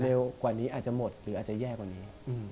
กว่านี้อาจจะหมดหรืออาจจะแย่กว่านี้